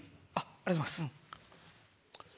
ありがとうございます。